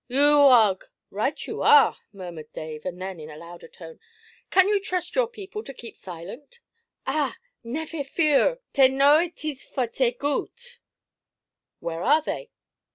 U u og!' 'Right you are,' murmured Dave; and then in a louder tone, 'Can you trust your people to keep silent?' 'Ah! neffear fe ur; tay know it is for tare goo et.' 'Where are they?'